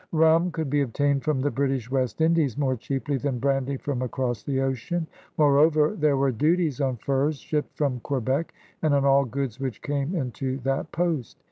Rum THE COUREURS DE BOIS 161 could be obtained from the British West Indies more cheaply than brandy from across the ocean. Moreover, there were duties on furs shipped from Quebec and on all goods which came into that post.